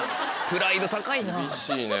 プライド高いな。